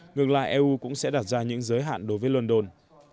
ngược lại eu cũng sẽ đặt ra những giới hạn đối với london